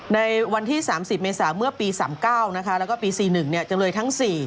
ในวันที่๓๐เมษาเมื่อปี๓๙แล้วก็ปี๔๑จำเลยทั้ง๔